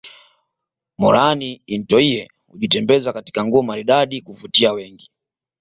Moran intoyie hujitembeza katika nguo maridadi kuvutia wengi